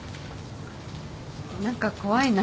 何か怖いな。